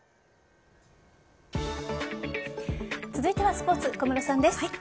続いてはスポーツ小室さんです。